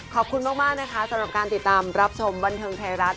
ขอบคุณมากนะคะสำหรับการติดตามรับชมบันเทิงไทยรัฐ